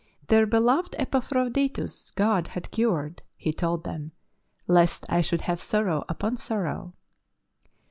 Their beloved Epaphroditus God had cured, he told them, " lest I should have sorrow upon sorrow."